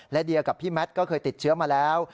และเดียกับพี่แมทก็เคยติดเชื้อมาแล้ว